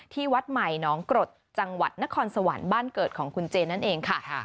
วัดใหม่น้องกรดจังหวัดนครสวรรค์บ้านเกิดของคุณเจนั่นเองค่ะ